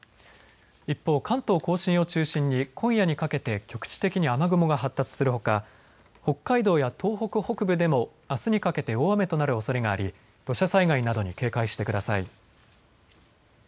一方、関東甲信を中心に今夜にかけて局地的に雨雲が発達するほか北海道や東北北部でもあすにかけて大雨となるおそれがあり土砂災害などに警戒してください。